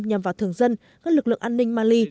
nhằm vào thường dân các lực lượng an ninh mali